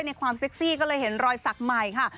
ความเซ็กซี่ก็เลยเห็นรอยสักใหม่ค่ะ